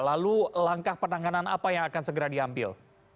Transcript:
lalu langkah penanganan apa yang akan segera diambil